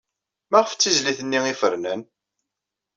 Maɣef d tizlit-nni ay fernen?